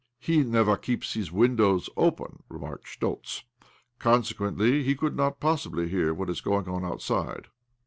' 'He never keeps his windows open," re marised Schtoltz. ' Consequently he could not possibly hear what is going on outside."